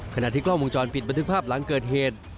ขณะที่กล้องวงจรปิดบันทึกภาพหลังเกิดเหตุ